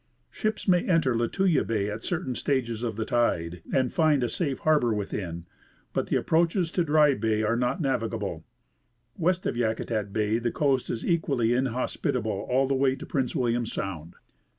Ships may enter Lituya bay, at certain stages of the tide, and find a safe harbor within ; but the approaches to Dry bay are not navigable. West of Yakutat bay the coast is equally inhospitable all the way to Prince William sound. 56 I. C. Russell — Expedition to Mount St. Ellas.